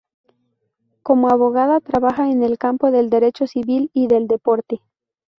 Como abogada trabaja en el campo del derecho civil y del deporte.